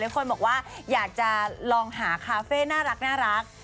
คนบอกว่าอยากจะลองหาคาเฟ่น่ารัก